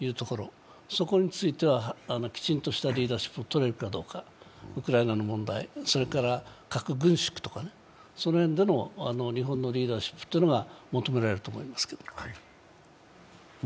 そこについてはきちんとしたリーダーシップをとれるかどうか、ウクライナの問題、それから核軍縮とかの日本のリーダーシップが求められると思います。